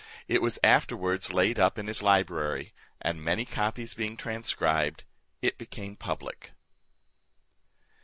It was afterwards laid up in his library, and many copies being transcribed, it became public.